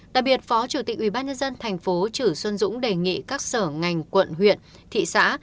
đặc biệt phó chủ tịch ủy ban dân thành phố chử xuân dũng đề nghị các sở ngành quận huyện thị xã